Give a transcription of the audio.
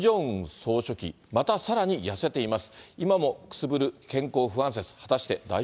総書記、またさらに痩せています。